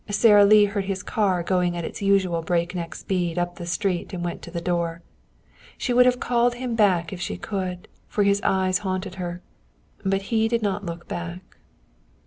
Sara Lee heard his car going at its usual breakneck speed up the street, and went to the door. She would have called him back if she could, for his eyes haunted her. But he did not look back.